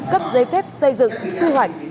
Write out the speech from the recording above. cấp giấy phép xây dựng thu hoạch